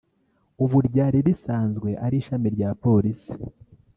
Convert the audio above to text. ubu ryari risanzwe ari ishami rya polisi